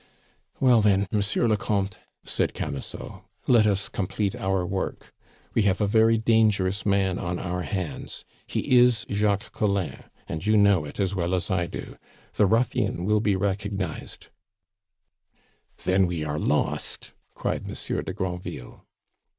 "Well, then, Monsieur le Comte," said Camusot, "let us complete our work. We have a very dangerous man on our hands. He is Jacques Collin and you know it as well as I do. The ruffian will be recognized " "Then we are lost!" cried Monsieur de Granville.